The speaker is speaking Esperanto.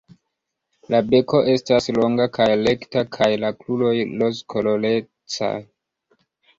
La beko estas longa kaj rekta kaj la kruroj rozkolorecaj.